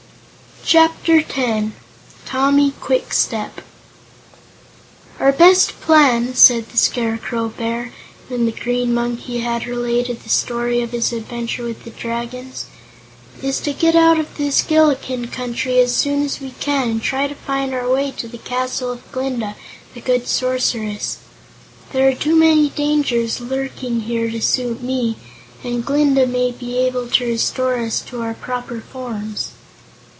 Chapter Ten Tommy Kwikstep "Our best plan," said the Scarecrow Bear, when the Green Monkey had related the story of his adventure with the Dragons, "is to get out of this Gillikin Country as soon as we can and try to find our way to the castle of Glinda, the Good Sorceress. There are too many dangers lurking here to suit me, and Glinda may be able to restore us to our proper forms."